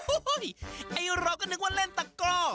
โอ้โฮไอ้เราก็นึกว่าเล่นตักกร